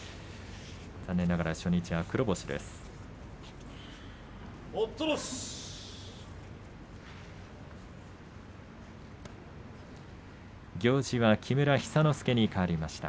残念ながら初日黒星でした。